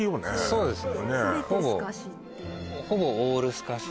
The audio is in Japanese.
そうです